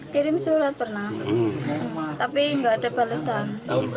kirim surat pernah tapi nggak ada balesan